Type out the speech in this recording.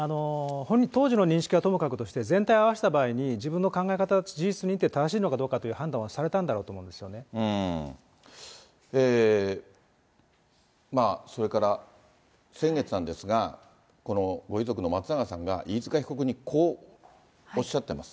当時の認識はともかくとして、全体合わせた場合に、自分の考え方、事実認定正しいのかどうかという判断をされたんだろうと思うんでそれから先月なんですが、このご遺族の松永さんが、飯塚被告にこうおっしゃってます。